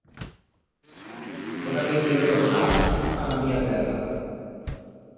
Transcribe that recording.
Ora me'n quiero tornar a la mía terra.